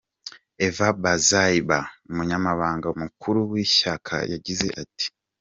Eve Bazaiba, umunyamabanga mukuru w'ishyaka, yagize ati:.